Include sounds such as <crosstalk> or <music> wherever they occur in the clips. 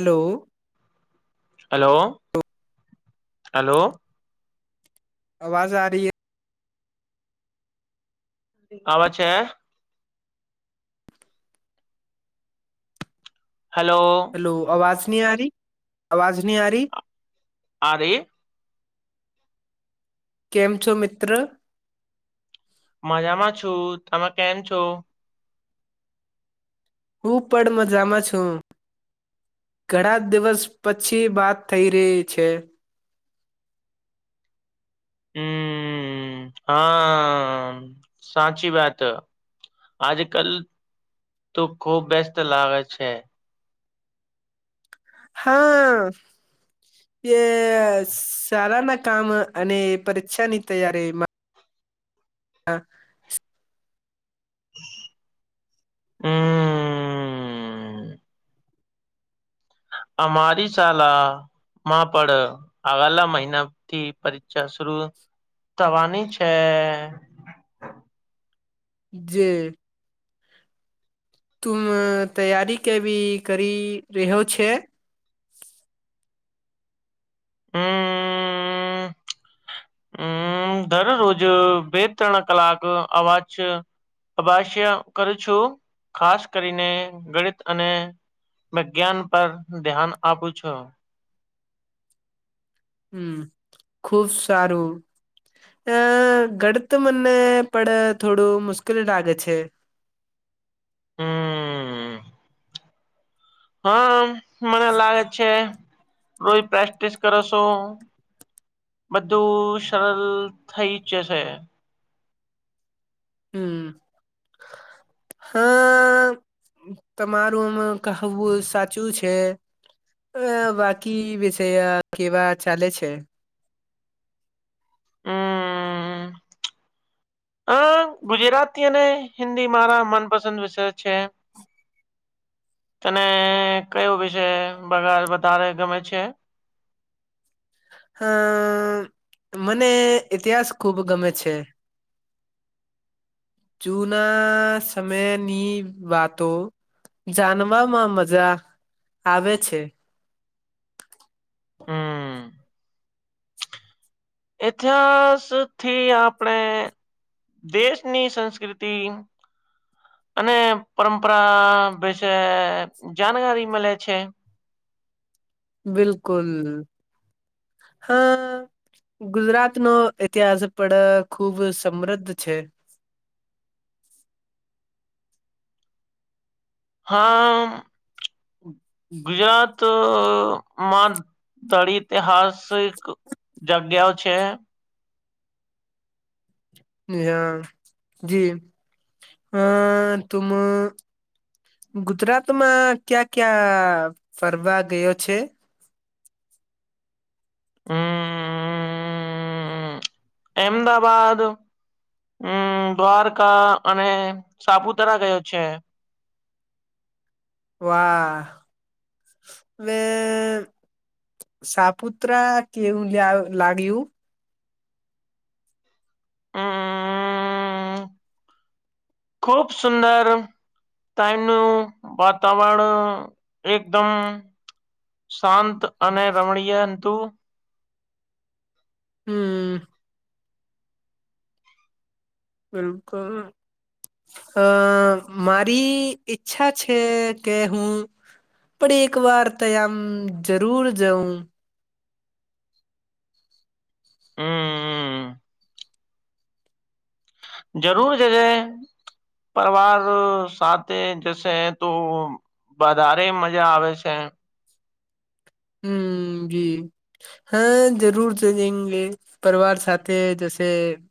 Hello. Hello hello. અવાજ આ રહી હૈ. અવાજ છે. હેલો હલો અવાજ. ની આરી અવાજ ની આારી. આ રઈ હે. કેમ છો મિત્ર? મજામાં છું, તમે કેમ છો? હું પણ મજામાં છું ઘણા દિવસ પછી વાત થઈ રહી છે હમ હા સાચી વાત આજ કલ તો ખુબ બેસ્ત લાગે છે હા એ સારાના કામ અને પરીક્ષા ની તૈયારીમાં <inaudible> હમ અમારી શાલા માં પળ આવાલા મહિનાથી પરીક્ષા શુરૂ થવાની છે જે તુમ તૈયારી કેવી કરી રહ્યો છે હમ હમ દરરોજ બે ત્રણ કલાક અવાજ અભસ્ય કરું છું ખાસ કરીને ગણિત અને વિજ્ઞાન પર ધ્યાન આપું છું હમ ખુબ સારું અ ગડ તો મને પળ થોડું મુશ્કેલ લાગે છે હમ હા મને લાગે છે રોજ પ્રેક્ટિસ કરો છો બધું સરળ થઈ જશે હમ હા તમારું આમ કહવું સાચું છે અ બાકી વિષયા કેવા ચાલે છે હમ અ ગુજરાતી અને હિન્દી મારા મનપસંદ વિષયો છે તને કયો વિષય <unintelligible> વધારે ગમે છે હમ મને ઇતિહાસ ખૂબ ગમે છે જૂના સમયની વાતો જાનવામાં મજા આવે છે હમ ઇતિહાસ થી આપણે દેશની સંસ્કૃતિ અને પરંમપરા વિશે જાણકારી મલે છે બિલકુલ હા ગુજરાતનો ઇતિહાસ પળ ખુબ સમદ્ધ છે હા ગુજરાતમાં <unintelligible> તિહાસિક જગ્યાઓ છે હા જી અ તુમ ગુજરાતમાં ક્યા ક્યાં ફરવા ગયો છે હ એમદાવાદ હમ દ્વારકા અને સાપુતારા ગયો છે વાહ હવે સાપુત્રા કેવું લાગ્યું હમ ખુબ સુંદર <unintelligible> નું વાતાવરણ એકદમ શાંત અને રમણીય અનતું હમ બિલકુલ અ મારી ઈચ્છા છે કે હું પણ એક વાર તોયામ જરૂર જઉં હમ હમ જરૂર જજે પરિવાર સાથે જશે તો વધારે મજા આવે છે હમ જી હા જરૂર જ જઈંગે પરિવાર સાથે જશે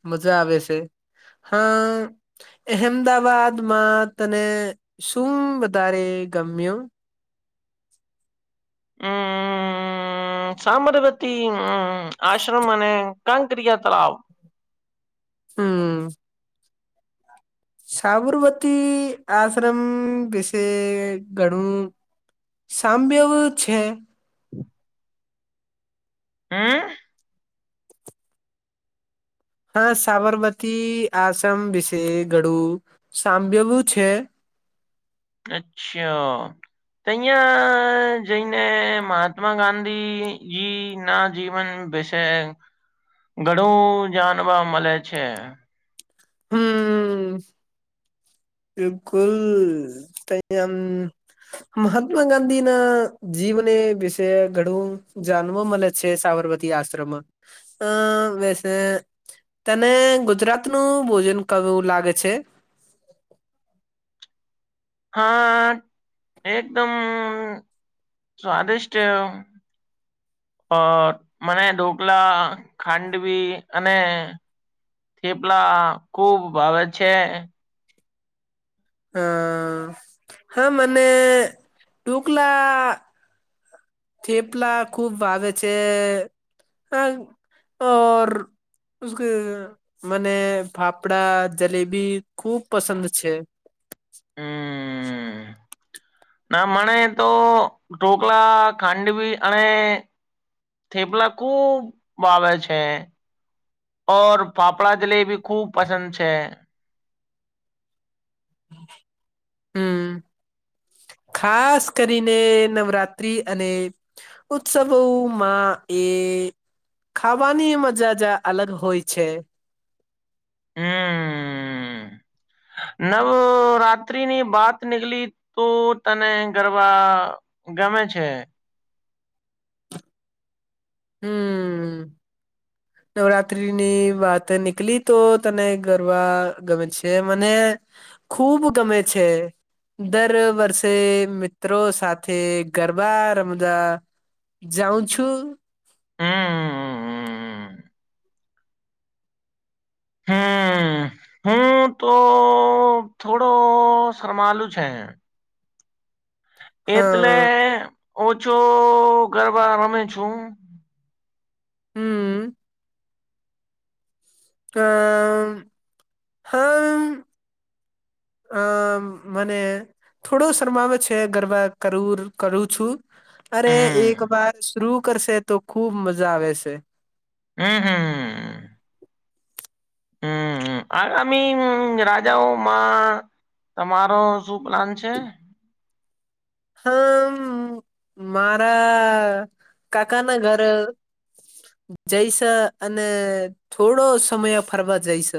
મજા આવે છે હા અહેમદાવાાદમાં તને શું વધારે ગમ્યો <inaudible> હમ <unintelligible> હતી હમ હ આશ્રમ અને કક્રિયા તલાવ હમ સાબરમતી આશ્રમ વિશે ઘણું સાંભવ છે હા હા સાબરમતી આશ્રમ વિશે ઘડું <unintelligible> છે અચ્છા અહયા જઈને મહાત્મા ગાંધીજી ના જીવન વિશે ઘણું જાણવા મલે છે હમ બિલકુલ ત આમ મહાત્મા ગાંધી ને જીવને વિશે ઘણું જાણવા મળે છે સાબરમતી આશ્રમ વ તને ગુજરાતનું ભોજન કરવું લાગે છે હા એકદમ સ્વાદિષ્ટ મને ઢોકલા ખાંડવી અને થેપલા ખુબ ભાવે છે હા હા મને ટુકલા થેપલા ખૂબ ભાવાે છે <inaudible> મને ફાફડા જલેબી ખૂબ પસંદ છે હમ <inaudible> ના મણે તો ઢોકળા ખાંડવી અને થેપલા ખૂબ ભાવે છે ઓર ફાફળા જલી ભી ખૂબ પસંદ છે હમ ખાસ કરીને નવરાત્રી અને ઉત્સવોમાં એ ખાવાની મજાજ અલગ હોય છે હમ નવરાત્રી ની વાત નીકળી તો તને ગરબા ગમે છે. હમ. નવરાત્રીની વાત નીકળ તો તને ગરબા ગમે છે મને ખૂબ ગમે છે દર વર્ષે મિત્રો સાથે ગરબા રમતા જાઉં છું. હમ હમ હું તો થોડો શરમાલું છે. એટલે હા ઓછો ગરબા રમે છું. હમ. અમ હા આમ મને થોડો શરમામાં છે ગરબા કરું કરું છું અરે એક હમ વાર શરું કરશે તો ખુબ મજા આવે છે. હમ હમ હ. હમ આમી રાજાઓ મા તમારો શું પ્લાન છે? હા મારા કાકા ના ઘરે જઈસ અને થોડો સમય ફરવા જઈસ.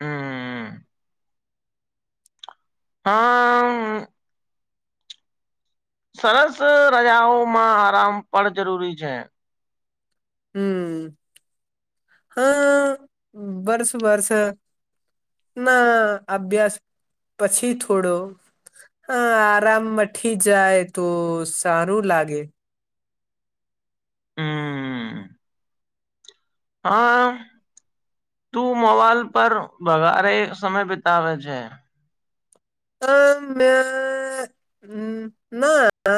હમ હા. સરસ રજાઓમાં આરામ પણ જરૂરી છે. હમ હમ વર્ષ વર્ષ ના અભ્યાસ પછી થોડો હ આરામ મથી જાય તો સારું લાગે. હમ હા તું મોવાલ પર વઘારે સમય બિતાવે છે. હ મે હ ના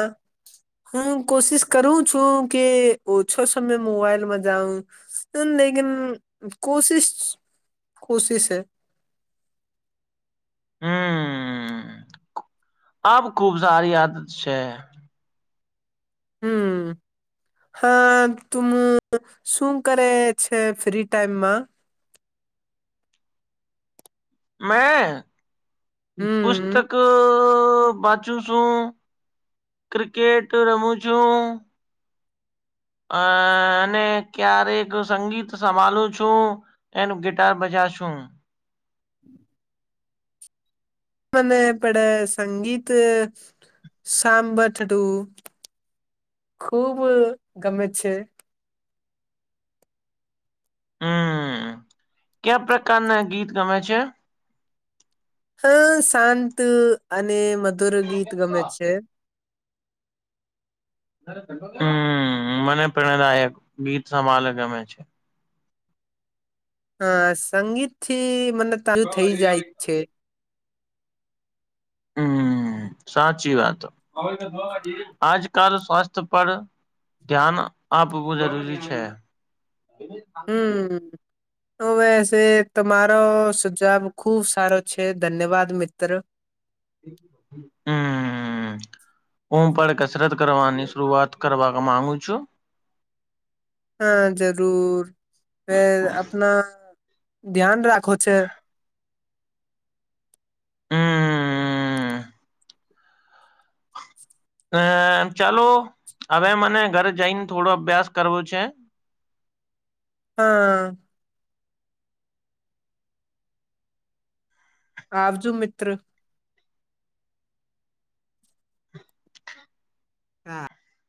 હું કોશિશ કરું છું કે ઓ છો સમય મોબાઈલમાં જાઉ લકન કોશિશ કોશિશ હૈ. હમ આ ખુબ સારી આદત છે. હમ હા તું શું કરે છે ફ્રી ટાઈમમાં? મે પુસ્તક હમ વાંચું છું ક્રિકેટ રમું છું. અ અને ક્યારેક સંગીત સંભળું છું એ ગિટાર બજાશું. મને પડે સંગીત સાંભડું ખૂબ ગમે છે. હમ ક્યા પ્રકારના ગીત ગમે છે. હા શાંત અને મ મધુર ગીત ગમે છે. હમ મને પ્રણાદાયક ગીત સભલ ગમે છે. હા સંગીતથી મને ચાલુ થઈ જાય જ છે. હમ સાચી વાત આજકાલ સ્વાસ્થ્ય પર ધ્યાન આપવું જરૂરી છે. હ. હમ તો વસે તમારો સુજબ ખુબ સારો છે ધન્યવાદ મિત્ર. હમ હું પણ કસરત કરવાની શરૂઆત કરવા માંગુ છું. હા જરૂર. એે આપના ધ્યાન રાખો છે. હમ અ ચાલો હવે મને ઘરે જઈને થોડો અભ્યાસ કરવો છે. હા. આવજું મિત્ર. હા